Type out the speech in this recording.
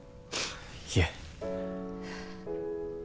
いえ